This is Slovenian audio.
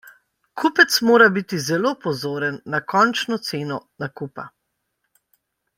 Kupec mora biti zelo pozoren na končno ceno nakupa.